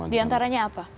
di antaranya apa